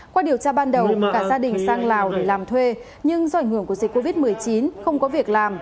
qua điều tra ban đầu cả gia đình sang lào để làm thuê nhưng do ảnh hưởng của dịch covid một mươi chín không có việc làm